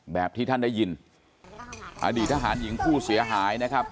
แบบที่ท่านได้ยินอดีตทหารหญิงผู้เสียหายนะครับ